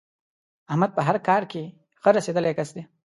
احمد په هر کار کې ښه رسېدلی کس دی.